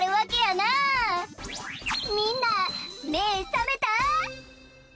みんなめさめた？